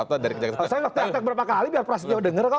saya nge tag tag berapa kali biar prasetyo denger kok